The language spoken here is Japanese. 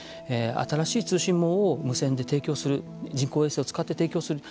新しい通信網を無線で提供する人工衛星を使って提供する。